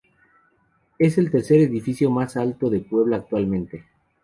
Es el tercer edificio más alto de Puebla actualmente.